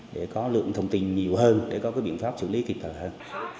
để có lượng thông tin nhiều hơn để có cái biện pháp xử lý kịp thời hơn